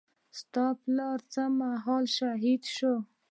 ستا پلار څه مهال شهيد سو.